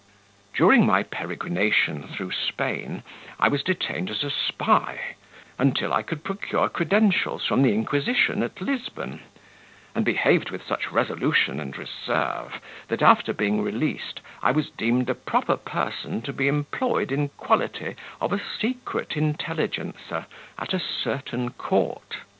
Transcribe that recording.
"During my peregrination through Spain, I was detained as a spy, until I could procure credentials from the Inquisition at Lisbon; and behaved with such resolution and reserve, that, after being released, I was deemed a proper person to be employed in quality of a secret intelligencer at a certain court.